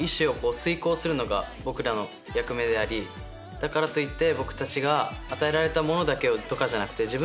だからといって。